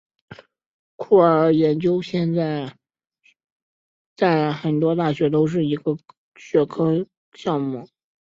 酷儿研究现在在很多大学都是一个学科项目。